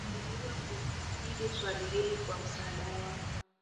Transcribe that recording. tunaweza kujibu swali hili kwa msaada wao